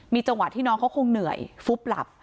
จังหวะที่น้องเขาคงเหนื่อยฟุบหลับ